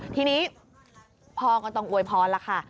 ทีนี้พอก็ต้องอวยพอละค่ะ